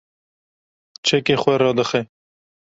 çekê xwe radixe